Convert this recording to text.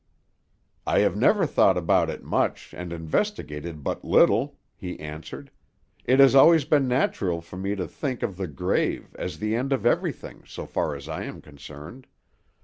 "I have never thought about it much, and investigated but little," he answered. "It has always been natural for me to think of the grave as the end of everything, so far as I am concerned.